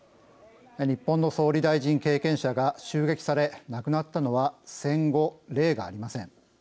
日本の総理大臣経験者が襲撃され亡くなったのは戦後例がありません。